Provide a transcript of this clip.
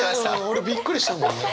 俺びっくりしたもんね。